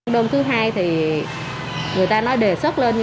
đồng thứ hai thì người ta nói để sốc lên